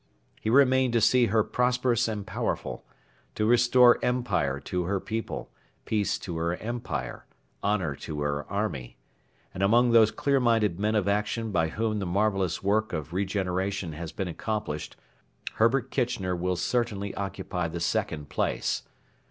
He remained to see her prosperous and powerful; to restore empire to her people, peace to her empire, honour to her army; and among those clear minded men of action by whom the marvellous work of regeneration has been accomplished, Herbert Kitchener will certainly occupy the second place.